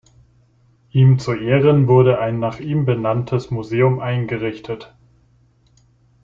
Ihm zu Ehren wurde ein nach ihm benanntes Museum eingerichtet.